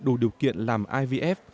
đủ điều kiện làm ivf